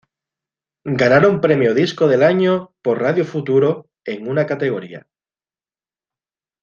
Ganaron premio disco del año por Radio futuro en una categoría.